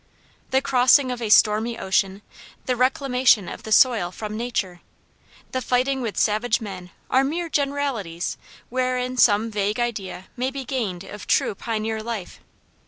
The crossing of a stormy ocean, the reclamation of the soil from nature, the fighting with savage men are mere generalities wherein some vague idea may be gained of true pioneer life.